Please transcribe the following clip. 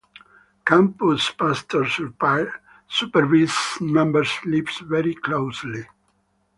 Campus pastors supervised members' lives very closely.